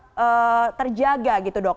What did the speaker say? kita bisa tetap terjaga gitu dok